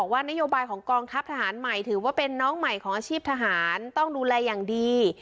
ว่านโยบายของกองทัพทหารใหม่ถือว่าเป็นน้องใหม่ของอาชีพทหารต้องดูแลอย่างดี